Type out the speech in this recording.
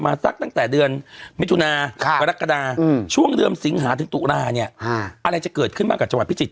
อำเภอวางบริกษ